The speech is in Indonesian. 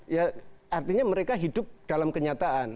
ya artinya mereka hidup dalam kenyataan